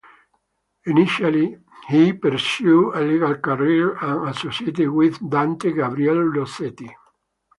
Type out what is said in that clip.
Initially he pursued a legal career, and associated with Dante Gabriel Rossetti.